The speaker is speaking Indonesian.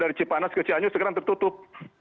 dari cipanas ke cianjur sekarang tertutup